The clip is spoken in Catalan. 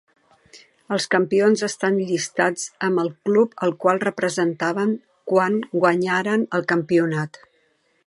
Els campions estan llistats amb el club al qual representaven quan guanyaren el campionat.